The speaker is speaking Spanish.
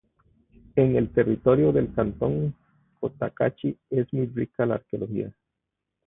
En el territorio del cantón Cotacachi es muy rica la arqueología.